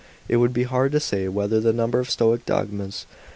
It would be hard to say whether the number of Stoic dogmas which he * xiti.